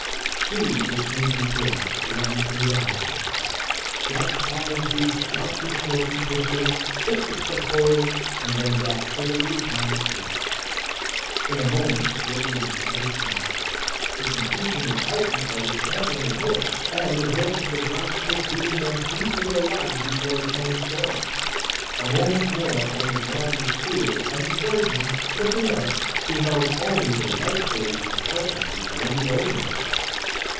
Two distinct reports rang through the Hollow. Jack Folinsbee dropped his smoking pistol, took a step forward, and then dropped heavily upon his face. In a moment the surgeon was at his side. The confusion was heightened by the trampling of hoofs, and the voice of the blacksmith bidding them flee for their lives before the coming storm. A moment more and the ground was cleared, and the surgeon, looking up, beheld only the white face of Culpepper bending over him.